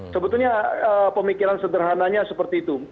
sebetulnya pemikiran sederhananya seperti itu